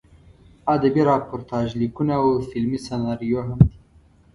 ادبي راپورتاژ لیکونه او فلمي سناریو هم دي.